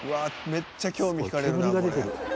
めっちゃ興味引かれるなこれ。